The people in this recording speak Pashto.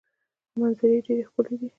خو منظرې یې ډیرې ښکلې دي.